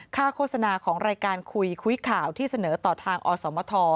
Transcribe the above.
โฆษณาของรายการคุยคุยข่าวที่เสนอต่อทางอสมท